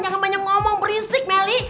jangan banyak ngomong berisik melly